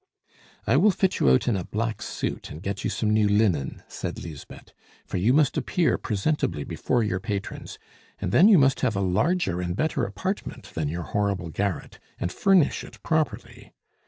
"I will fit you out in a black suit, and get you some new linen," said Lisbeth, "for you must appear presentably before your patrons; and then you must have a larger and better apartment than your horrible garret, and furnish it property.